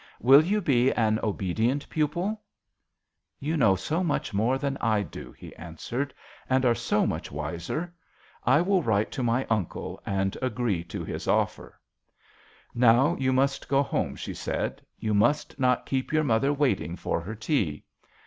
" Will you be an obedient pupil ?" "You know so much more than I do," he answered, " and are so much wiser. I will write to my uncle and agree to his offer." " Now you must go home," vshe said. " You must not keep your mother waiting for her tea.